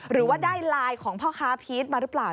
หรือว่าได้ไลน์ของพ่อค้าพีชมาหรือเปล่า